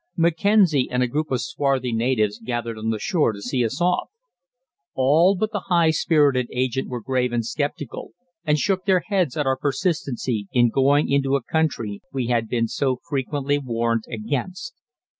Mackenzie and a group of swarthy natives gathered on the shore to see us off. All but the high spirited agent were grave and sceptical, and shook their heads at our persistency in going into a country we had been so frequently warned against.